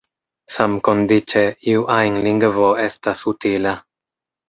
Samkondiĉe iu ajn lingvo estas utila.